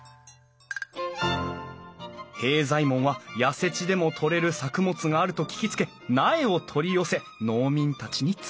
平左衛門は痩せ地でも採れる作物があると聞きつけ苗を取り寄せ農民たちにつくらせた。